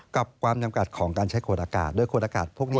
กับความจำกัดของการใช้ขวดอากาศโดยขวดอากาศพวกนี้